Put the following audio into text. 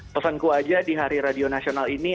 pesanku aja di hari radio nasional ini